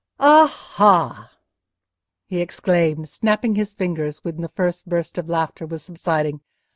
"Aha!" he exclaimed, snapping his fingers when the first burst of laughter was subsiding.